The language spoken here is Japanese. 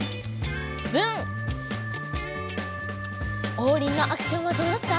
オウリンのアクションはどうだった？